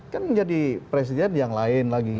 kan menjadi presiden yang lain lagi